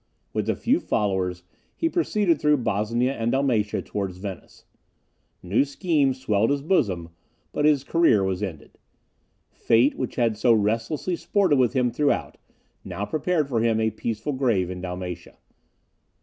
With a few followers, he proceeded through Bosnia and Dalmatia, towards Venice. New schemes swelled his bosom; but his career was ended. Fate, which had so restlessly sported with him throughout, now prepared for him a peaceful grave in Dalmatia.